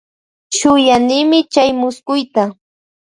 Shuyanimi chay muskuyta.